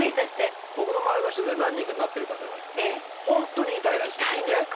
僕の周りの人で何人かなってる方がいて本当に痛いらしいんですよね。